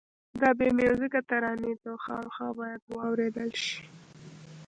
دا بې میوزیکه ترانې دي او خامخا باید واورېدل شي.